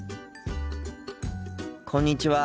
こんにちは。